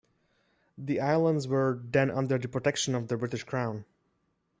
The islands were then under the protection of the British Crown.